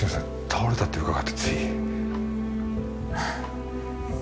倒れたって伺ってついあっ